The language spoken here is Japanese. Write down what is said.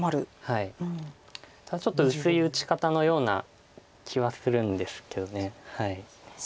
ただちょっと薄い打ち方のような気はするんですけど。